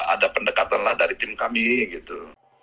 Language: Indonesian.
ada pendekatan lah dari tim kami gitu